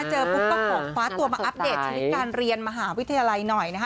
เจอปุ๊บก็ขอคว้าตัวมาอัปเดตชนิดการเรียนมหาวิทยาลัยหน่อยนะคะ